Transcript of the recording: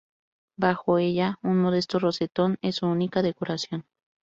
Bajo ella, un modesto rosetón es su única decoración.